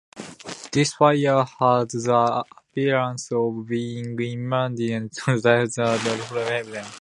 This fire had the appearance of being immediately derived from heaven.